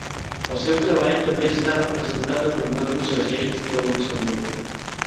El seu treball també està representat a nombrosos segells de Luxemburg.